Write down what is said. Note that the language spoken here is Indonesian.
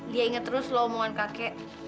lia inget terus lo omongan kakek